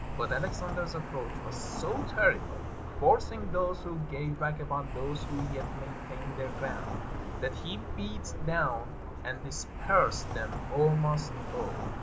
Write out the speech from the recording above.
But Alexander's approach was so terrible, forcing those who gave back upon those who yet maintained their ground, that he beat down and dispersed them almost all.